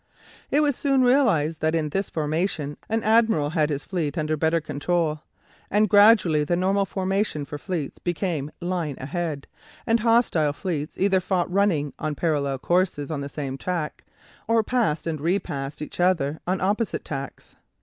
It was soon realized that in this formation an admiral had his fleet under better control, and gradually the normal formation for fleets became line ahead, and hostile fleets either fought running on parallel courses on the same tack, or passed and repassed each other on opposite tacks.